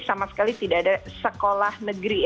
sama sekali tidak ada sekolah negeri